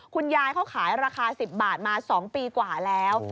คุณยายเขาขายราคา๑๐บาทมา๒ปีกว่าแล้ว